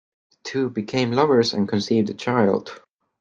The two became lovers and conceived a child.